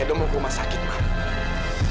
edo mau ke rumah sakit mak